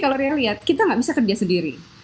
kalau ria lihat kita nggak bisa kerja sendiri